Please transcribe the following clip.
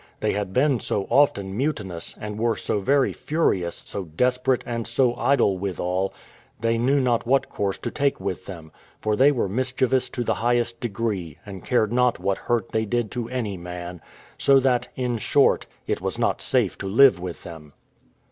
They had been so often mutinous, and were so very furious, so desperate, and so idle withal, they knew not what course to take with them, for they were mischievous to the highest degree, and cared not what hurt they did to any man; so that, in short, it was not safe to live with them.